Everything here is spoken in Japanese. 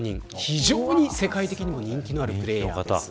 非常に、世界的にも人気のあるプレーヤーです。